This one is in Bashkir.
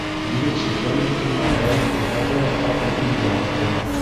Егет шикләнеп кенә аяғын ҡуҙғата ла ҡапыл үргә артыла.